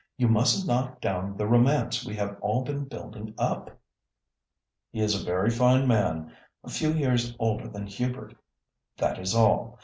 You mustn't knock down the romance we have all been building up." "He is a very fine man, a few years older than Hubert, that is all.